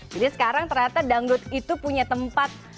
jadi sekarang ternyata dangdut itu punya tempat